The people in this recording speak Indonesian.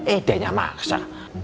eh dayanya masa